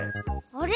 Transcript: あれ？